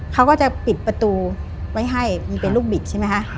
เขาก็จะปิดประตูไว้ให้มีเป็นลูกบิดใช่ไหมคะ